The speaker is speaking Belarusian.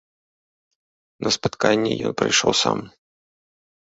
На спатканне ён прыйшоў сам.